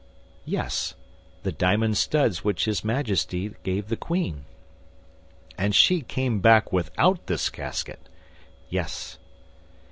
"Yes; the diamond studs which his Majesty gave the queen." "And she came back without this casket?" "Yes."